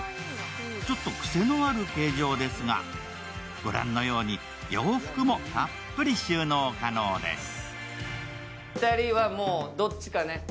ちょっと癖のある形状ですが、ご覧のように洋服もたっぷり収納可能です。